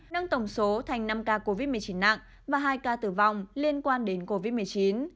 nâng tổng số thành năm ca covid một mươi chín nặng và hai ca tử vong liên quan đến covid một mươi chín